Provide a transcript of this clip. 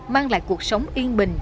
mang lại cuộc sống yên bình